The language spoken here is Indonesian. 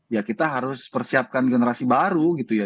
ya kita harus persiapkan generasi baru gitu ya